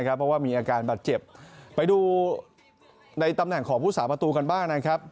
เพราะว่ามีอาการบาดเจ็บไปดูในตำแหน่งของผู้สาประตูกันบ้างนะครับ